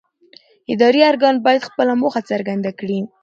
اداري ارګان باید خپله موخه څرګنده کړي.